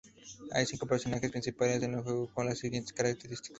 Hay cinco personajes principales en el juego con las siguientes características.